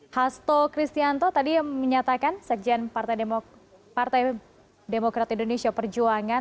hasto kristianto tadi menyatakan sekjen partai demokrat indonesia perjuangan